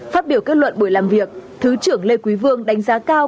phát biểu kết luận buổi làm việc thứ trưởng lê quý vương đánh giá cao